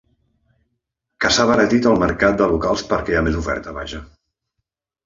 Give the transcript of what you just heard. Que s’ha abaratit el mercat de locals perquè hi ha més oferta, vaja.